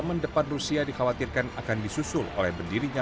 yang terbrasai pasukan bagian faix ini